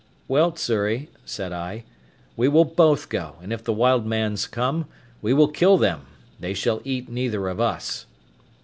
"Well, Xury," said I, "we will both go and if the wild mans come, we will kill them, they shall eat neither of us."